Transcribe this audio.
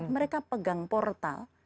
mereka pegang portal